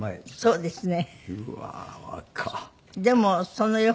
そうですか。